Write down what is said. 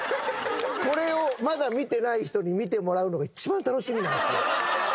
これをまだ見てない人に見てもらうのが一番楽しみなんですよ。